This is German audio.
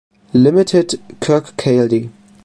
Ltd Kirkcaldy.